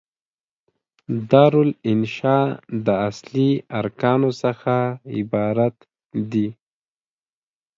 دارالانشأ د اصلي ارکانو څخه عبارت دي.